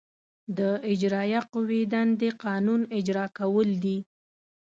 د اجرائیه قوې دندې قانون اجرا کول دي.